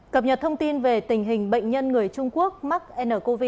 cập nhật thông tin về tình hình bệnh nhân người trung quốc mắc ncov